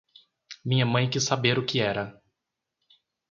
Minha mãe quis saber o que era.